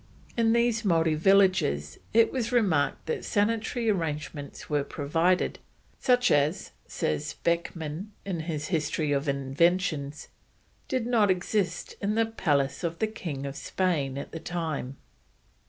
In these Maori villages it was remarked that sanitary arrangements were provided, such as, says Beckmann in his History of Inventions, did not exist in the palace of the King of Spain at that time.